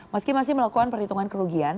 meski masih melakukan perhitungan kerugian